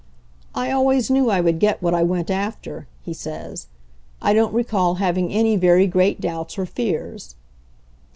, "I always knew I would get what I went | after," he says. "I don't recall having any very 1 great doubts or fears."